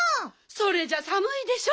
それじゃさむいでしょ。